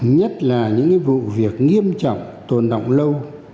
nhất là những vụ việc nghiêm trọng tồn động lâu